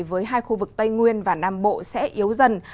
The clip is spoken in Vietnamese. với hai khu vực tây nguyên và nam bộ sẽ yếu dần